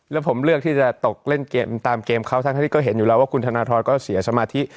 แล้วผมเลือกที่จะตกเล่นเกมตามเกมเขาทั้งที่ก็เห็นอยู่แล้วว่าคุณธนทรก็เสียสมาธิ